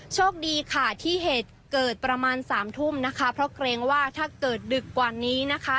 โชคดีค่ะที่เหตุเกิดประมาณสามทุ่มนะคะเพราะเกรงว่าถ้าเกิดดึกกว่านี้นะคะ